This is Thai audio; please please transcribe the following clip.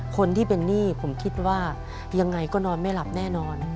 คนที่เป็นหนี้ผมคิดว่ายังไงก็นอนไม่หลับแน่นอน